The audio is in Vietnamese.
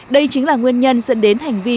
đây chính là nguyên nhân dẫn đến hành vi